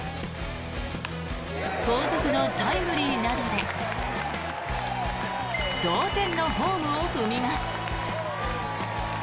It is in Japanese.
後続のタイムリーなどで同点のホームを踏みます。